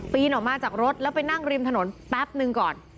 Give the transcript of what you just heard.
ออกมาจากรถแล้วไปนั่งริมถนนแป๊บนึงก่อน